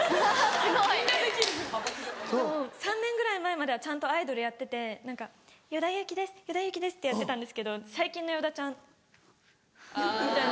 すごい。３年ぐらい前まではちゃんとアイドルやってて何か「与田祐希です与田祐希です」ってやってたんですけど最近の与田ちゃんみたいな。